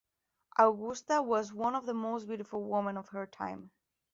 Augusta was one of the most beautiful women of her time.